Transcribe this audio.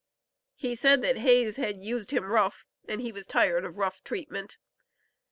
He said that Hayes had used him "rough," and he was "tired of rough treatment."